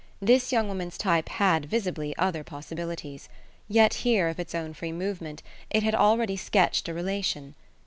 This young woman's type had, visibly, other possibilities; yet here, of its own free movement, it had already sketched a relation.